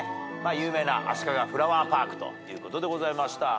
有名なあしかがフラワーパークということでございました。